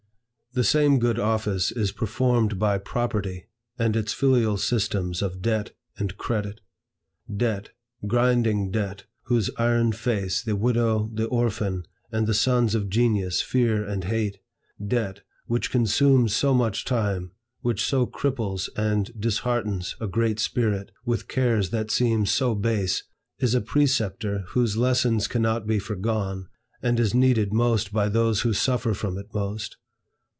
The same good office is performed by Property and its filial systems of debt and credit. Debt, grinding debt, whose iron face the widow, the orphan, and the sons of genius fear and hate; debt, which consumes so much time, which so cripples and disheartens a great spirit with cares that seem so base, is a preceptor whose lessons cannot be forgone, and is needed most by those who suffer from it most.